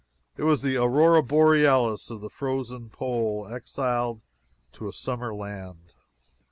It was the aurora borealis of the frozen pole exiled to a summer land!